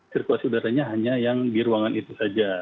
sirkulasi udaranya hanya yang di ruangan itu saja